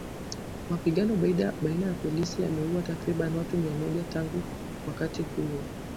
Mapigano baina ya polisi yameuwa takriban watu mia mmoja tangu wakati huo